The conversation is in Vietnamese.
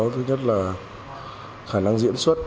thứ nhất là khả năng diễn xuất